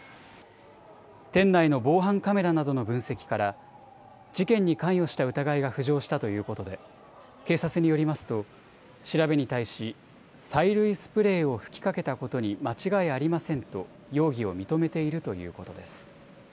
店内の防犯カメラなどの分析から事件に関与した疑いが浮上したということで警察によりますと調べに対し催涙スプレーを吹きかけたことに間違いありませんと容疑を認めているということです。